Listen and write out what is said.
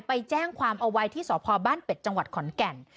ไปแจ้งความเอาไว้ที่สพบ้านเป็ดจังหวัดขอนแก่น